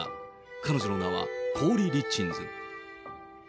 彼女の名はコーリ・リチンズ。